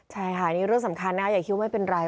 ใช่ค่ะนี่เรื่องสำคัญนะอย่าคิดว่าไม่เป็นไร